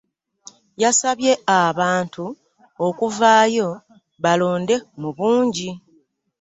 Yasabye abantu okuvaayo balonde mu bungi